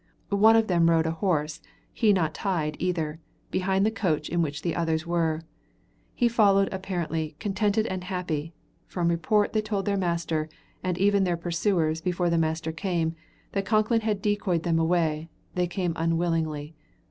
One of them rode a horse, he not tied either, behind the coach in which the others were. He followed apparently "contented and happy." From report, they told their master, and even their pursuers, before the master came, that Concklin had decoyed them away, they coming unwillingly.